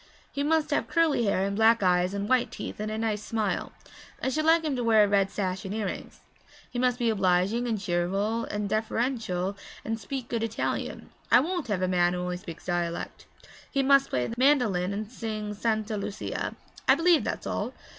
'He must have curly hair and black eyes and white teeth and a nice smile; I should like him to wear a red sash and earrings. He must be obliging and cheerful and deferential and speak good Italian I won't have a man who speaks only dialect. He must play the mandolin and sing Santa Lucia I believe that's all.'